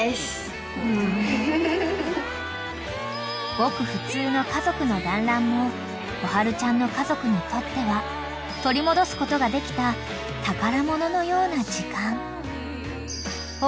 ［ごく普通の家族のだんらんもこはるちゃんの家族にとっては取り戻すことができた宝物のような時間］